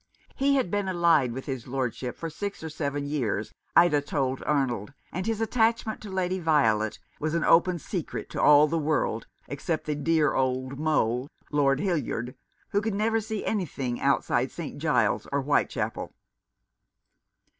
He had been allied with his lordship for six or seven years, Ida told Arnold, and his attachment to Lady Violet was an open secret to all the world except that "dear old Mole," Lord Hildyard, who could never see anything outside St. Giles's or Whitechapel.